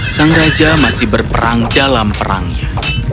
sang raja masih berperang dalam perangnya